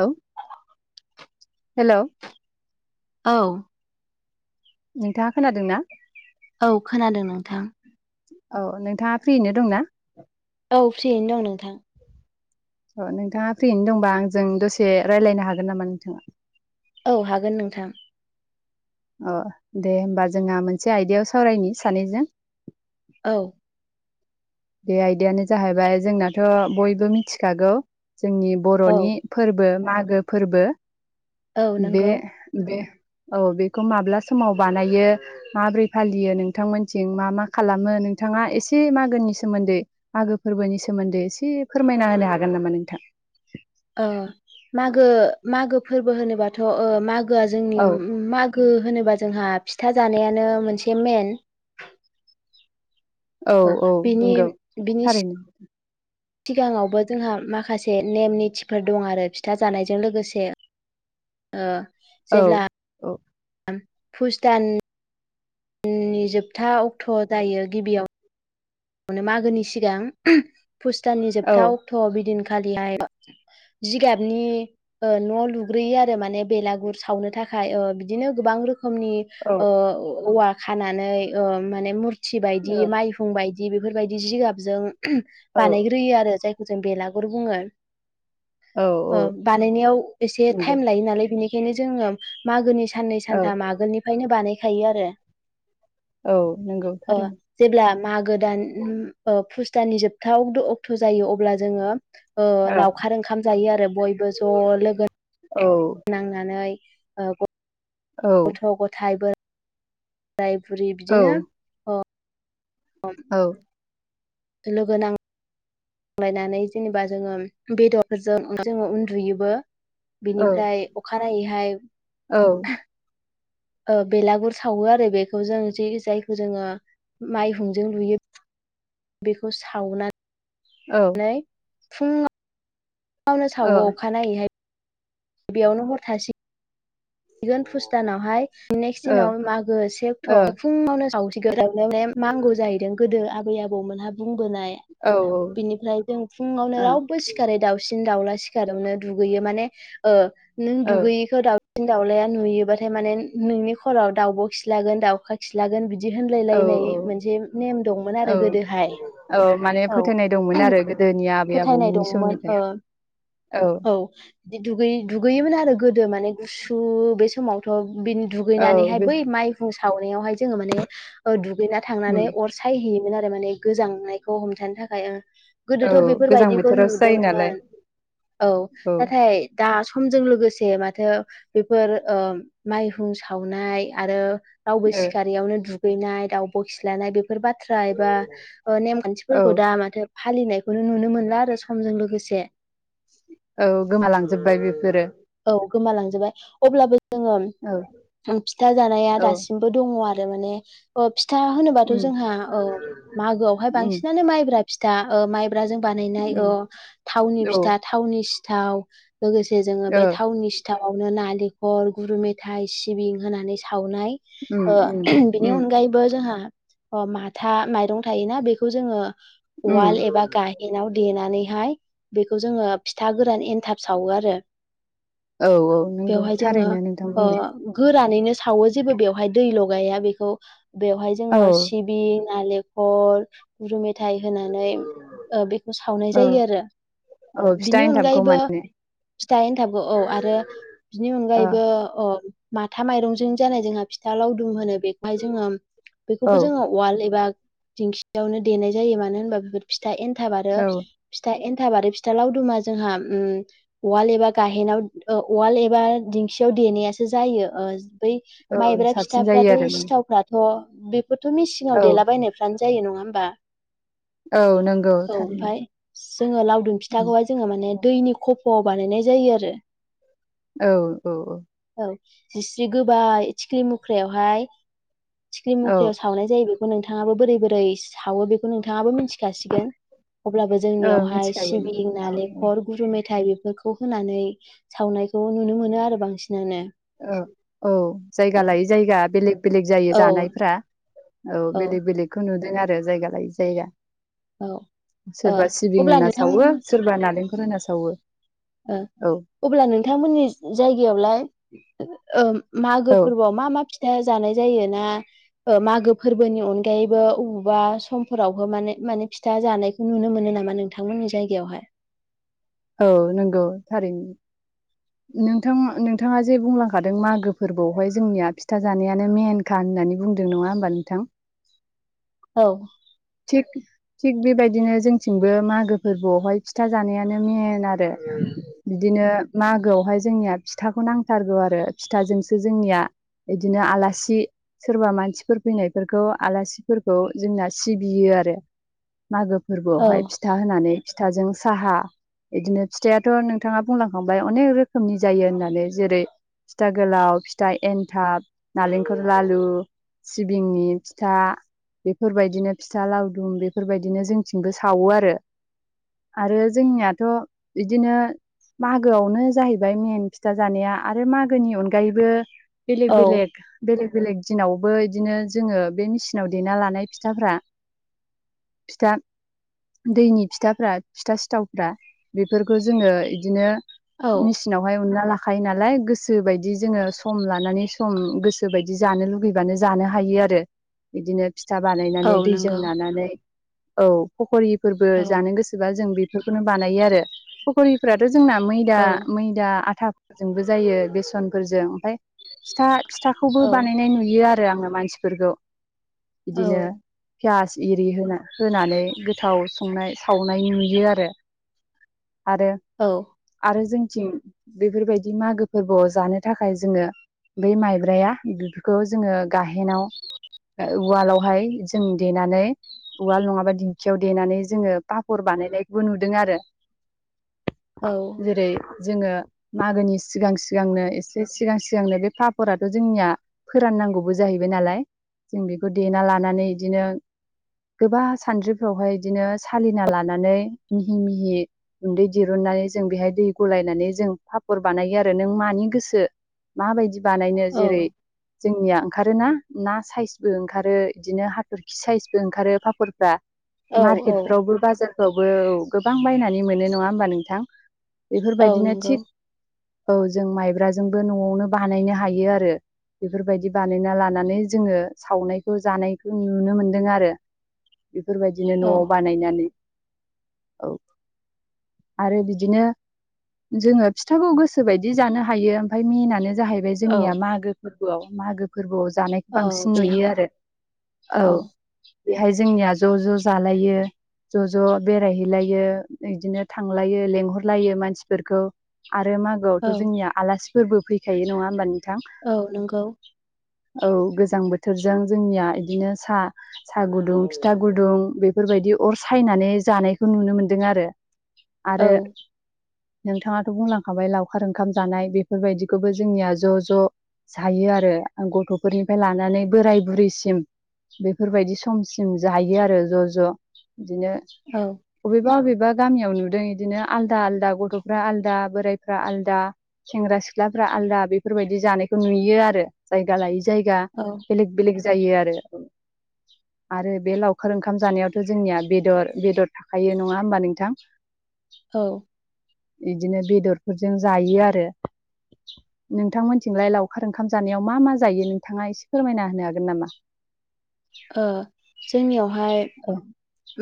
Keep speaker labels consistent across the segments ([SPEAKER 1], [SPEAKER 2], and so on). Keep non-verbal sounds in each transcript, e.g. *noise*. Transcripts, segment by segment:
[SPEAKER 1] औ हेलौ
[SPEAKER 2] औ
[SPEAKER 1] नोंथाङा खोनादों ना
[SPEAKER 2] औ खोनादों नोंथां
[SPEAKER 1] औ नोंथाङा फ्रियैनो दंना
[SPEAKER 2] औ फ्रियैनो दं नोंथां
[SPEAKER 1] अ नोंथाङा फ्रियैनो दंबा आंजों दसे रायलायनो हागोन नामा नोंथाङा?
[SPEAKER 2] औ हागोन नोंथां।
[SPEAKER 1] अ दे होमबा जोंहा मोनसे आयदायाव सावरायनि सानैजों
[SPEAKER 2] औ
[SPEAKER 1] बे आयदायानो जाहैबाय जोंनाथ' बयबो मिथिखागौ जोंनि
[SPEAKER 2] औ
[SPEAKER 1] बर'नि फोरबो मा गो फोरबो
[SPEAKER 2] औ
[SPEAKER 1] बे
[SPEAKER 2] नंगौ
[SPEAKER 1] बे औ बेखौ माब्ला समाव बानायो माब्रै फालियो नोंथांमोनथिं मा मा खालामो नोंथाङा एसे मागोनि सोमोन्दै मागो फोरबोनि सोमोन्दै एसे फोरमायना होनो हागोन नामा नोंथां?
[SPEAKER 2] ओ मागो मागो फोरबो होनोबाथ' ओ मा गोआ जोंनि
[SPEAKER 1] औ
[SPEAKER 2] उम मागो होनोबा जोंहा फिथा जानायानो मोनसे मेन
[SPEAKER 1] औ औ नोंगौ
[SPEAKER 2] बिनि
[SPEAKER 1] थारैनो
[SPEAKER 2] सिगाङावबो जोंहा माखासे नेम निथिफोर दंआरो फिथा जानायजों लोगोसे। ओ
[SPEAKER 1] औ औ
[SPEAKER 2] पुष दान नि जोबथा अक्ट' जायो गिबियाव नो मागोनि सिगां *unintelligible* पुष दाननि
[SPEAKER 1] औ
[SPEAKER 2] जोबथा अक्ट'आव बिदिन खालिहाय *unintelligible* जिगाबनि ओ न' लुग्रोयो आरो माने बेलागुर सावनो थाखाय ओ बिदिनो गोबां रो खोमनि ओ औवा खानानै ओ माने मुर थि बायदि
[SPEAKER 1] औ
[SPEAKER 2] माइहुं बाय दि बेफोरबायदि जिगाबजों *unintelligible*
[SPEAKER 1] औ
[SPEAKER 2] बानायग्रोयो आरो जाय खौ जों बेलागुर बुङो।
[SPEAKER 1] औ औ
[SPEAKER 2] ओ बानायनायाव एसे
[SPEAKER 1] नंगौ
[SPEAKER 2] टाइम लायो नालाय बिनि खायनो जोङो मागोनिस साननै
[SPEAKER 1] औ
[SPEAKER 2] सानथाम आगोलनिफायनो बानाय खायो आरो।
[SPEAKER 1] औ नंगौ
[SPEAKER 2] ओ
[SPEAKER 1] थारैनो
[SPEAKER 2] जेब्ला मागो *unintelligible* ओ पुष दाननि जोबथा अगद' अक्ट' जायो अब्ला जोङो ओ
[SPEAKER 1] औ
[SPEAKER 2] लावखार ओंखाम जायो आरो बयबो ज' लोगो
[SPEAKER 1] औ
[SPEAKER 2] नांनानै ओ
[SPEAKER 1] औ
[SPEAKER 2] गथ' गथाइ बो राय बुरि
[SPEAKER 1] औ
[SPEAKER 2] बिदिनो
[SPEAKER 1] औ
[SPEAKER 2] लोगोनां लायनानै जेनेबा जोङो बेदरजों जोङो उन्दुयोबो
[SPEAKER 1] औ
[SPEAKER 2] बिनिफ्राय अखानायैहाय ओ बेलागुर सावो आरो बेखौ जों जि जायखौ जोङो माइहुंजों लुयो बेखौ सावना
[SPEAKER 1] औ
[SPEAKER 2] फुं आव *unintelligible* सावो अखानायैहाय बेयावनो हर थासै हैगोन फुस्त दानावहाय नेक्स्ट दिनाव मागो से अक्ट'आव फुङावनो जाव *inaudible* *unintelligible* नांगौ जाहैदों गोदो आबै आबौ मोनहा बुं बोनाय
[SPEAKER 1] ओ औ
[SPEAKER 2] बिनिफ्राय जों फुङावनो रावबो सिखारै दावउसिन बिदिनो दाउला सिखारिआवनो दुगैयो माने ओ नों दुगैयिखौ दाव सिन दाउलाया नुयोबाथाय माने नोंनि खर'आव दावब' खिलागोन दाउखा खिलागोन बि दि
[SPEAKER 1] औ
[SPEAKER 2] होनलायलायनाय मोनसे नेम दंमोन
[SPEAKER 1] औ
[SPEAKER 2] आरो गोदोहाय
[SPEAKER 1] औ माने
[SPEAKER 2] औ
[SPEAKER 1] फोथायनाय दंमोन आरो गोदोनि आबै
[SPEAKER 2] फोथायनाय
[SPEAKER 1] आबौमोननि
[SPEAKER 2] दंमोन
[SPEAKER 1] समनिफ्राय
[SPEAKER 2] ओ औ बिदि दुगै दुगैयोमोन आरो गोदो माने गुसु बे समावथ' बिन
[SPEAKER 1] औ
[SPEAKER 2] दुगैनानैहाय बै माइहुं सावनायावहाय जोङो माने ओ दु गैना
[SPEAKER 1] उम
[SPEAKER 2] थांनानै अर सायहैयो मोनआरो माने गोजांनायखौ हमथानो थाखाय
[SPEAKER 1] औ
[SPEAKER 2] गोदोथ'
[SPEAKER 1] गोजां
[SPEAKER 2] बेफोरबायदिखौ
[SPEAKER 1] बोथोरावसो जायो नालाय
[SPEAKER 2] नुदोंमोन औ नाथाय दा समजों लोगोसे मा दा बेफोर ओ माइहुं सावनाय आरो रावबो
[SPEAKER 1] ओ
[SPEAKER 2] सिखारारियावनो दु दुगैनाय दावब' खिलानाय बे फोर बाथ्रा एबा नेम
[SPEAKER 1] औ
[SPEAKER 2] खान्थिफोरखौ दा माथो फालिनायखौनो नुनो मोनला आरो समजों लोगोसे
[SPEAKER 1] औ गोमालांजोबबाय बेफोरो
[SPEAKER 2] औ गोमालांजोबबाय अब्लाबो जोङो
[SPEAKER 1] औ
[SPEAKER 2] फिथा जानाया
[SPEAKER 1] औ
[SPEAKER 2] दासिमबो दङ आरो माने अ फिथा होनोबाथ'
[SPEAKER 1] उम
[SPEAKER 2] जोंहा मागोआवहाय
[SPEAKER 1] उम
[SPEAKER 2] बांसिनानो माइब्रा फिथा ओ माइब्राजों बानायनाय अ
[SPEAKER 1] उम
[SPEAKER 2] थावनि
[SPEAKER 1] औ
[SPEAKER 2] फिथा थावनि सि थाव लोगोसे जोङो
[SPEAKER 1] ओ
[SPEAKER 2] बे थावनि सिथावनो नाल दैखर गुरु मेथाइ सिबिं होनानै सावनाय
[SPEAKER 1] उम
[SPEAKER 2] ओ
[SPEAKER 1] उम
[SPEAKER 2] बिनि
[SPEAKER 1] उम
[SPEAKER 2] अनगायैबो जोंहा अ माथा माइरं थायोना बेखौ जोङो अवाल
[SPEAKER 1] उम
[SPEAKER 2] एबा काहिना देनानैहाय बेखौ जोङो फिथा गोरान एनथाब सावो आरो
[SPEAKER 1] औ औ नोंगौ थारैनो नोंथां बुंनाया
[SPEAKER 2] लानायनो सावो जेबो बेवहाय दै ल' गाया बेखौ बेवहाय
[SPEAKER 1] औ
[SPEAKER 2] जोङो सिबि नालेंख खल गुर मे मेथाय होनानै बेखौ सावनाय
[SPEAKER 1] औ
[SPEAKER 2] जायो आरो
[SPEAKER 1] औ फिथा
[SPEAKER 2] बिनि
[SPEAKER 1] एन्थाबखौ
[SPEAKER 2] अनगायैबो
[SPEAKER 1] माने
[SPEAKER 2] एनथाबखौ औ आरो बिनि
[SPEAKER 1] ओ
[SPEAKER 2] अनायैबो माथा माइरंजों जानाय जोंहा फिथा लावदुम होनो बेखौहाय जोङो बेखौबो
[SPEAKER 1] औ
[SPEAKER 2] जोङो वाल एबा दिंखियावनो देनाय जायो मानो होनबा बेफोर फिथा एनथाब आरो
[SPEAKER 1] औ
[SPEAKER 2] फिथा एथाब फिथाबै फिथा लावदुमा जोंहा उवाल एबा गाहेनाव उवाल एबा दिंखियाव देनायासो जायो ओ बै
[SPEAKER 1] औ
[SPEAKER 2] माइब्रा
[SPEAKER 1] साबसिन जायो
[SPEAKER 2] फिथाफ्राथ'
[SPEAKER 1] आरो माने।
[SPEAKER 2] सिथावफ्राथ' बि बेथ' मिसिंआव
[SPEAKER 1] औ
[SPEAKER 2] देलाबायनायफ्रानो जायो नङा होमबा
[SPEAKER 1] औ नंगौ
[SPEAKER 2] औ
[SPEAKER 1] थारैनो
[SPEAKER 2] ओमफाय जोङो लावदुम
[SPEAKER 1] उम,
[SPEAKER 2] फिथाखौहाय जोङो माने दैनि खब फ'आव बानायनाय जायो आरो ।
[SPEAKER 1] औ औ औ
[SPEAKER 2] जिस्रि गोबाय थिख्रि मुख्रायावहाय थिख्लि
[SPEAKER 1] औ
[SPEAKER 2] मुख्रियाव सावनाय जायो बे नोंथाङाबो बोरै-बोरै सावो बेखौ नोंथाङाबो मिथिखासिगोन अब्लाबो
[SPEAKER 1] औ
[SPEAKER 2] जोंनियावहाय
[SPEAKER 1] मिथिखायो
[SPEAKER 2] सिबिं,
[SPEAKER 1] औ
[SPEAKER 2] नालेंखर, गुर, मे थाय फोरखौ होनानै सावनायखौ नुनो मोनो आरो बांसिन
[SPEAKER 1] औ औ जायगा
[SPEAKER 2] ओ
[SPEAKER 1] लायै जायगा बेलेग बेलेग जायो
[SPEAKER 2] औ
[SPEAKER 1] जानायफ्रा । औ बेलेग बेलेखौ नु दों आरो जायगा लायै जायगा
[SPEAKER 2] औ
[SPEAKER 1] ।
[SPEAKER 2] ओ
[SPEAKER 1] सोरबा सिबिं
[SPEAKER 2] अब्ला
[SPEAKER 1] होना
[SPEAKER 2] नोंथां
[SPEAKER 1] सावो सोरबा नालेंख फरायना सावो ।
[SPEAKER 2] ओ अब्ला नोंथांमोननि जायगायावलाय ओम मागो
[SPEAKER 1] औ
[SPEAKER 2] फोरबोआव मा मा फिथा जानाय जायो? ना ओ मागो फोरबोनि अनगायैबो अबावबा समफोरावबो माने माने फिथा जानायखौ नुनो मोनो नामा नोंथांमोननि जायगायावहाय?
[SPEAKER 1] औ नंगौ थारैनो । नोंथां नोंथाङा जे बुंलांखादों मागो फोरबोआवहाय जोंनिया फिथा जानायानो मेन खा होननानै बुंदों नङा होमबा नोंथां?
[SPEAKER 2] औ
[SPEAKER 1] थिग थिग बेबायदिनो जोंथिंबो मागो फोरबोआवहाय फिथा जानायानो मेन आरो बिदिनो मागोआवहाय जोंनिया फिथाखौ नांथारगौ आरो फिथाजोंसो जोंनिया बिदिनो आलासि सोरबा मानसिफोर फैनायफोरखौ आलासिफोरखौ जोंना सिबियो आरो । मागो
[SPEAKER 2] औ
[SPEAKER 1] फोरबोआवहाय फिथा होनानै । फिथाजों साहा बिदिनो फिथाइयाथ' नोंथाङा बुंलां बाय अनेक रोखोमनि जायो होननानै जेरै फिथा गोलाव, फिथा एन्थाब, नालेंखल लालु, सिबिंनि फिस्था, बेफोरबायदिनो फिस्था लावदुम बेफोरबायदिनो जोंथिंबो सावो आरो आरो जोंनियाथ' बिदिनो मागोआवनो जाहैबाय मेेन फिथा जानाया आरो मागोनि अनगायैबो
[SPEAKER 2] औ
[SPEAKER 1] बेलेग-बेलेग बेलेग बेलेग दिनावबो इदिनो जोङो बे मेसिनाव देना लानाय फिथाफ्रा फिथा दैनि फिथाफ्रा फिथा सिथावफ्रा बेफोरखौ जोङो इदिनो
[SPEAKER 2] औ
[SPEAKER 1] मेसिनावहाय उनला ला खायो नालाय गोसोबायदि जोङो सम लानानै सम गोसोबायदि जानो लुगैबानो जानो हायो आरो इदिनो फिथा
[SPEAKER 2] औ
[SPEAKER 1] बानायनानै दैजों
[SPEAKER 2] नंगौ
[SPEAKER 1] नानानै औ फखरि फोरबो
[SPEAKER 2] औ
[SPEAKER 1] जानो गोसोबा जों बेफोरखौनो बानायो आरो । *unintelligible* *unintelligible* जोंना मैदा
[SPEAKER 2] औ
[SPEAKER 1] मैदा आथा जोंबो जायो बेसनफोरजों ओमफ्राय फिसा फिथाखौबो
[SPEAKER 2] औ औ
[SPEAKER 1] बानायनाय नुयो आरो आरो आङो मानसिफोरखौ बिदिनो पियास एरि होना होनानै गोथाव संनाय सावनाय नुयो आरो आरो
[SPEAKER 2] औ
[SPEAKER 1] आरो जोंथिं बेफोरबायदि मागो फोरबोआव जानो थाखाय जोङो बै माइब्राया बेफोरखौ जोङो गाहेनाव उवालावहाय जों देनानै उवाल नङाबा दिंखियाव देनानै जोङो पापर बानायनायबो नुदों आरो जेरै जोङो मागोनि सिगां सिगांनो एसे सिगां सिगांनो बे पाफोराथ' जोंनिया फोराननांगौबो जाहैबाय नालाय जों बेखौ देना लानानै बिदिनो गोबां सानद्रिफ्रावहाय बिदिनो सालिना लानानै मिहि मिहि गुन्दै दिरुननानै जों बेहाय दै गलायनानै जों पापर बानायो आरो नों मानि गोसो माबायदि। बानायनो
[SPEAKER 2] औ
[SPEAKER 1] जेरै जोंनिया ओंखारोना ना साइजबो ओंखारो बिदिनो हाथरखि साइजबो ओंखारो पापरफ्रा।
[SPEAKER 2] औ औ
[SPEAKER 1] मार्केटफ्रावबो बाजार खौबो गोबां बायनानै मोनो नङा होमबा नोंथां।
[SPEAKER 2] औ
[SPEAKER 1] बेफोरबायदिनो
[SPEAKER 2] नंगौ
[SPEAKER 1] थिग औ जों माइब्राजोंबो न'आवनो बानायनो हायो आरो बेफोरबायदि बानायना लानानै जोङो सावनायखौ जानायखौ नुनो मोनदों आरो बेफोरबायदिनो
[SPEAKER 2] औ
[SPEAKER 1] न'आव बानायनानै औ आरो बिदिनो जोङो फिथाखौ गोसोबायदि जानो हायो ओमफ्राय मेनानो जाहैबाय
[SPEAKER 2] औ
[SPEAKER 1] जोंनिया मागो फोरबोआव मागो फोरबोआव जानायखौ
[SPEAKER 2] औ
[SPEAKER 1] बांसिन नुयो
[SPEAKER 2] बेयाव
[SPEAKER 1] आरो औ बेहाय जोंनिया ज' ज' जालायो ज' ज' बेरायहैलायो बिदिनो थांलायो लेंहरलायो मानसिफोरखौ आरो मागोआवथ'
[SPEAKER 2] औ
[SPEAKER 1] जोंनिया आलासि फोरबो फैखायो नङा होमबा नि
[SPEAKER 2] औ नंगौ।
[SPEAKER 1] औ गोजां बोथोरजों जोंनिया बिदिनो साहा साहा गुदुं फिथा गुदुं बेफोरबायदि अर सायनानै जानायखौ नुनो मोनदों आरो
[SPEAKER 2] औ
[SPEAKER 1] आरो नोंथाङाथ' बुंलांखाबाय लावखार ओंखाम जानाय बेफोरबायदिखौबो जोंनिया ज' ज' जायो आरो गथ'फोरनिफ्राय लानानै बोराय बुरैसिम बेफोरबायदि समसिम जायो आरो ज' ज' बिदिनो
[SPEAKER 2] औ
[SPEAKER 1] बबेबा बबेबा गामियाव नुदों यिदिनो आलदा आलदा गथ'फ्रा आलदा बोरायफ्रा आलदा सेंग्रा सिख्लाफ्रा आलदा बेफोरबायदि जानायखौ नुयो आरो जायगा लायो जायगा
[SPEAKER 2] औ
[SPEAKER 1] बेलेग-बेलेग जायो आरो-आरो बे लावखार ओंखाम जानायावथ' जोंनिया बेदर-बेदर थाखायो नङा होमबा नों थां
[SPEAKER 2] औ
[SPEAKER 1] यिदिनो बेदरफोरजों जायो आरो नोंथांमोनथिंलाय लावखार ओंखाम जानायाव मा-मा जायो नोंथाङा एसे फोरमायना होनो हागोन नामा।
[SPEAKER 2] ओ जोंनियावहाय
[SPEAKER 1] औ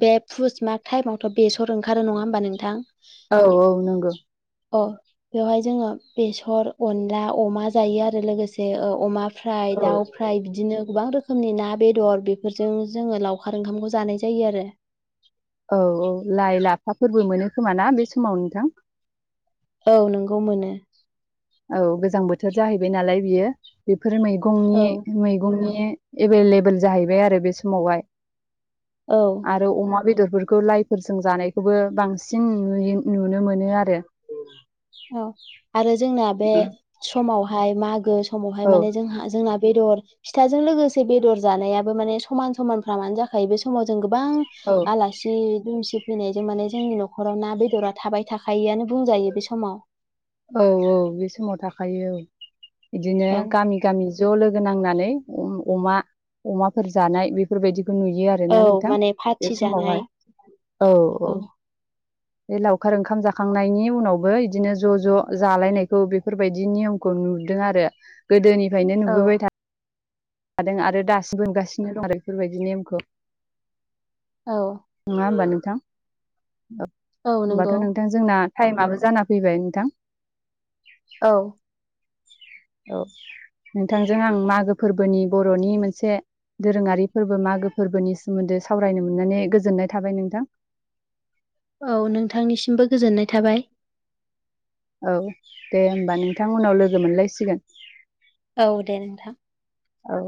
[SPEAKER 2] बे पुस माग टाइमावथ' बेसर ओंखारो नङा होमबा नोंथां।
[SPEAKER 1] औ-औ नों गो
[SPEAKER 2] अ बेवहाय जोङो बेस सर अनला अमा जायो आरो लोगोसे ओ अमा फ्र
[SPEAKER 1] औ
[SPEAKER 2] दाउ फ्राय बिदिनो गोबां रोखोम रोखोमनि ना बेदर बेफोरजों जोंङो लावखार ओंखामखौ जानाय जायो आरो।
[SPEAKER 1] औ-औ लाइ लाफाफोरबो मोनो खोमा ना बे समाव नोंथां।
[SPEAKER 2] औ नोंगौ मोनो।
[SPEAKER 1] औ गोजां बोथोर जाहैबाय नालाय बियो। बेफोर
[SPEAKER 2] औ
[SPEAKER 1] मैगंनि-मैगंनि एभेलेबेल जाहैबाय आरो बे समावहाय।
[SPEAKER 2] औ
[SPEAKER 1] आरो अमा बेदर फोरखौ लाइफोरजों जानायखौबो बांसिन नुयो नुनो मोनो आरो।
[SPEAKER 2] औ आरो जोंना बे समावहाय मा गो स समावहाय
[SPEAKER 1] औ
[SPEAKER 2] माने जोंहा जोंना बेदर फिथाजों लोगोसे बेदर जानायाबो माने समान समानफ्रामानो जाखायो बे समाव जों गोबां
[SPEAKER 1] औ
[SPEAKER 2] आलासि दुमसि फैनायजों माने जोंनि न'खराव ना बेदरा थाबाय थाखायोआनो बुंजायो बेस समाव
[SPEAKER 1] औ-औ बे समाव थाखायो औ बिदिनो
[SPEAKER 2] औ
[SPEAKER 1] गामि-गामि ज' लोगो नांनानै अम अमा-अमाफोर जानाय बेफोरबायदि खौ नुयो आरोना
[SPEAKER 2] औ
[SPEAKER 1] नोंथां
[SPEAKER 2] माने
[SPEAKER 1] बे
[SPEAKER 2] पार्टि
[SPEAKER 1] समावहाय
[SPEAKER 2] जानाय
[SPEAKER 1] औ-औ
[SPEAKER 2] औ
[SPEAKER 1] बे लावखार ओंखाम जाखांनायनि उनावबो यिदिनो ज' ज' जालायनायखौ बेफोरबायदि नियमखौ नुदों आरो गोदोनि फ्रायनो
[SPEAKER 2] औ
[SPEAKER 1] नुबोबाय थादों। लाादों आरो दासि *inaudible* *unintelligible* बोगासिनो दं आरो बेफोरबायदि नेमखौ
[SPEAKER 2] औ
[SPEAKER 1] नङा होनबा नों थां औ होमबाथ' नोंथां जोंना टाइमआबो जाना फैबाय नोंथां
[SPEAKER 2] औ
[SPEAKER 1] औ नोंथांजों आं मागो फोरबोनि बर'नि मोनसे दोरोङारि फोरबो मागो फोरबोनि सोमोन्दै सावरायनो मोननानै गोजोननाय थाबाय नोंथां
[SPEAKER 2] औ नोंथांनिसिमबो गोजोननाय थाबाय।
[SPEAKER 1] औ दे होमबा नोंथां उनाव लोगो मोनलायसिगोन।
[SPEAKER 2] औ दे नोंथां।
[SPEAKER 1] औ।